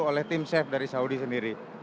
oleh tim chef dari saudi sendiri